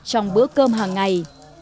trong bữa cơm hàng ngày